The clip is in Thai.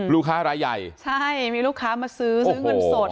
รายใหญ่ใช่มีลูกค้ามาซื้อซื้อเงินสด